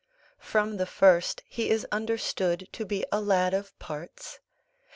From the first he is understood to be a lad of parts.